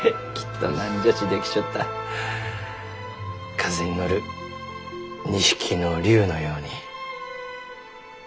風に乗る２匹の竜のように。